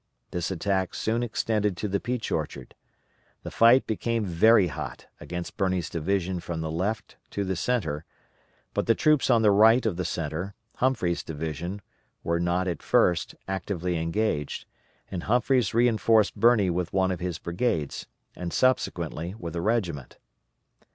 This attack soon extended to the Peach Orchard. The fight became very hot against Birney's division from the left to the centre, but the troops on the right of the centre Humphreys' division were not at first actively engaged, and Humphreys reinforced Birney with one of his brigades, and subsequently with a regiment.